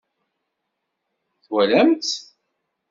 Twalam-tt?